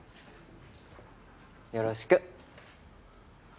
よろしく。